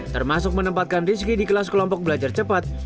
termasuk menempatkan rizky di kelas kelompok belajar cepat